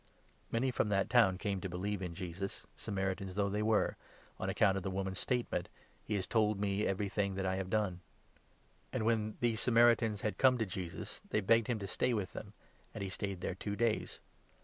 Many from that town came to believe in Jesus — Samaritans 39 though they were — on account of the woman's statement — 'He has told me everything that I have done.' And, when 40 these Samaritans had come to Jesus, they begged him to stay with them, and he stayed there two days.